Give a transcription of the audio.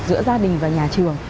giữa gia đình và nhà trường